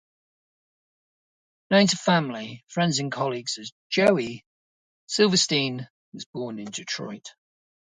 Known to family, friends and colleagues as "Joey", Silverstein was born in Detroit.